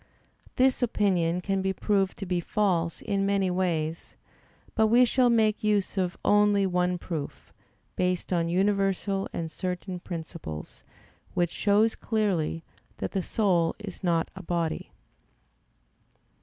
This opinion can be proved to be false in many ways; but we shall make use of only one proof, based on universal and certain principles, which shows clearly that the soul is not a body.